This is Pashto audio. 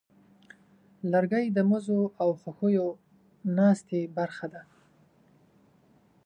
لرګی د مزو او خوښیو ناستې برخه ده.